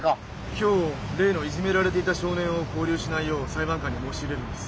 今日例のいじめられていた少年を勾留しないよう裁判官に申し入れるんです。